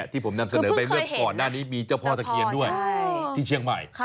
ที่ผมนำเสนอไปเมื่อก่อนหน้านี้มีเจ้าพ่อตะเคียนด้วยที่เชียงใหม่